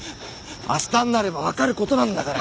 明日になればわかる事なんだから。